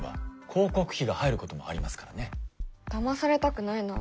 だまされたくないな。